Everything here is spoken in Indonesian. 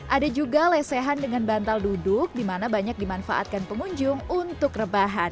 ada juga lesehan dengan bantal duduk di mana banyak dimanfaatkan pengunjung untuk rebahan